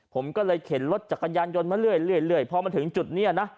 ผมก็เลยเข็นรถจักรยานยนต์มาเรื่อยเรื่อยเรื่อยพอมาถึงจุดเนี้ยนะ